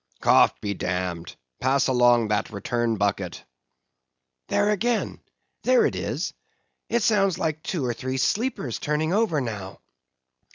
"Cough be damned! Pass along that return bucket." "There again—there it is!—it sounds like two or three sleepers turning over, now!"